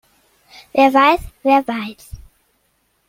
Wer weiß, wer weiß?